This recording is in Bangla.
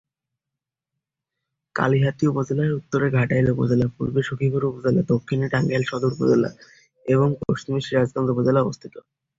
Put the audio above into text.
কালিহাতি উপজেলার উত্তরে ঘাটাইল উপজেলা, পূর্বে সখিপুর উপজেলা, দক্ষিণে টাঙ্গাইল সদর উপজেলা এবং পশ্চিমে সিরাজগঞ্জ জেলা অবস্থিত।